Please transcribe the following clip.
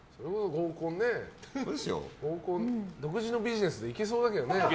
合コン独自のビジネスでいけそうだけどね。